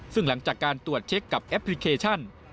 ซึ่งหลังจากการตรวจเช็คกับแอปพลิเคชัน